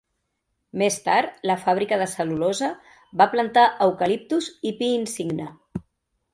Més tard, la fàbrica de cel·lulosa va plantar eucaliptus i pi insigne.